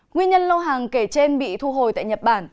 nguyên nhân lô hàng kể trên bị thu hồi tại nhật bản